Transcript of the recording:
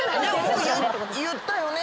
言ったよね？